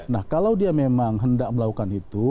nah kalau dia memang hendak melakukan itu